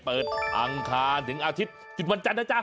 อังคารถึงอาทิตย์จุดวันจันทร์นะจ๊ะ